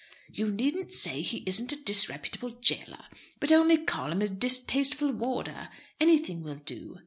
"You needn't say he isn't a disreputable jailer, but only call him a distasteful warder; anything will do."